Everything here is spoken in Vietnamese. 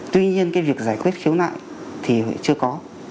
tuy nhiên cái việc giải quyết khiếu nại thì chưa có